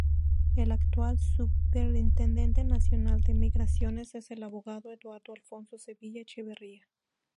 El actual superintendente nacional de Migraciones es el abogado Eduardo Alfonso Sevilla Echevarría.